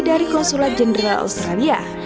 dari konsulat jenderal australia